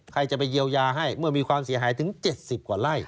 ใครจะไปเยียวยาให้เมื่อมีความเสียหายถึง๗๐กว่าไร่